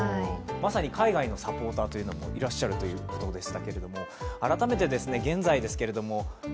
まさに海外のサポーターもいらっしゃるということです。